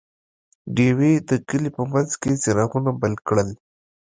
ډیوې د کلي په منځ کې څراغونه بل کړل.